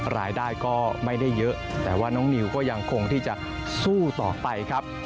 รายได้ก็ไม่ได้เยอะแต่ว่าน้องนิวก็ยังคงที่จะสู้ต่อไปครับ